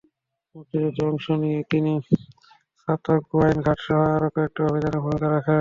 মুক্তিযুদ্ধে অংশ নিয়ে তিনি ছাতক, গোয়াইনঘাটসহ আরও কয়েকটি অভিযানে ভূমিকা রাখেন।